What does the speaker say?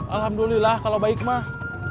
alhamdulillah kalau baik mah